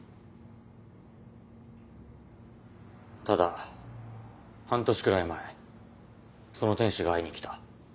ただ半年くらい前その天使が会いに来た。